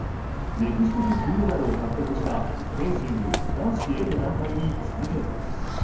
歴史的金メダルを獲得したフェンシング男子エペ団体に続け。